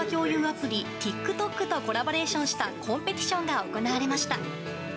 アプリＴｉｋＴｏｋとコラボレーションしたコンペティションが行われました。